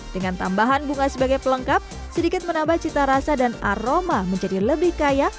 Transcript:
dengan tambahan bunga sebagai pelengkap sedikit menambah cita rasa dan aroma menjadi lebih kaya